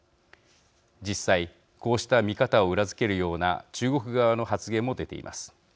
実際こうした見方を裏付けるような中国側の発言も出ています。